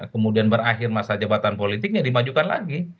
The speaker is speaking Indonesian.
kemudian berakhir masa jabatan politiknya dimajukan lagi